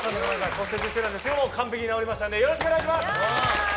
骨折してたんですけど今日はもう完璧に治りましたんでよろしくお願いします！